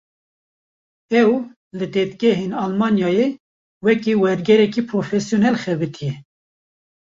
Ew, li dadgehên Almanyayê, wekî wergêrekî profesyonel xebitiye